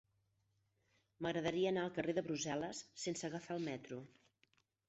M'agradaria anar al carrer de Brussel·les sense agafar el metro.